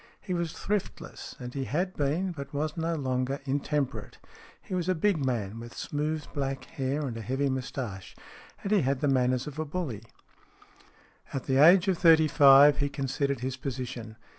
He was thriftless, and he had been, but was no longer, intemperate. He was a big man, with smooth black hair, and a heavy moustache, and he had the manners of a bully. STORIES IN GREY At the age of thirty five he considered his position.